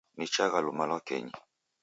Nichagha luma lwa kenyi